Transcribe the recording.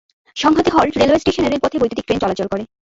সংহতি halt railway স্টেশনের রেলপথে বৈদ্যুতীক ট্রেন চলাচল করে।